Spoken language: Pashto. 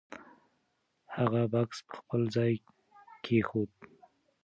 هغه بکس په خپل ځای کېښود.